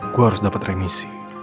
gue harus dapat remisi